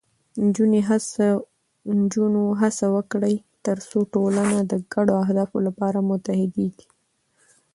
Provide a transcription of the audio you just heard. نجونې هڅه وکړي، ترڅو ټولنه د ګډو اهدافو لپاره متحدېږي.